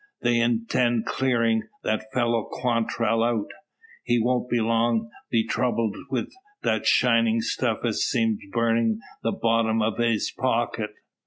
they intind clearin' that fellow Quantrell out. He won't long be throubled wid that shinin' stuff as seems burnin' the bottom out av his pocket.